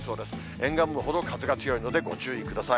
沿岸部ほど風が強いのでご注意ください。